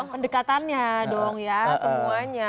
pendekatannya dong ya semuanya